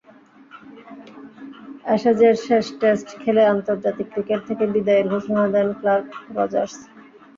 অ্যাশেজের শেষ টেস্ট খেলে আন্তর্জাতিক ক্রিকেট থেকে বিদায়ের ঘোষণা দেন ক্লার্ক, রজার্স।